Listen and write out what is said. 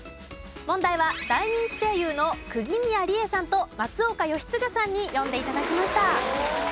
問題は大人気声優の釘宮理恵さんと松岡禎丞さんに読んで頂きました。